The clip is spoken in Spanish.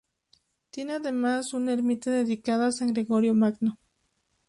Tiene además una ermita dedicada a San Gregorio Magno.